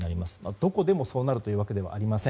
どこでもそうなるというわけではありません。